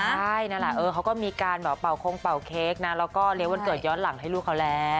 ใช่นั่นแหละเขาก็มีการแบบเป่าคงเป่าเค้กนะแล้วก็เลี้ยงวันเกิดย้อนหลังให้ลูกเขาแล้ว